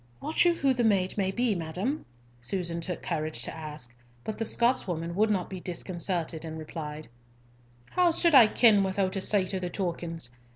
"Wot you who the maid may be, madam?" Susan took courage to ask; but the Scotswoman would not be disconcerted, and replied, "How suld I ken without a sight of the tokens?